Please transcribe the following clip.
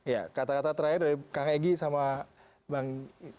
ya kata kata terakhir dari kang egy sama bang